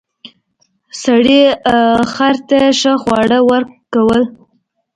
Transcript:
سړي خر ته ښه خواړه ورکول.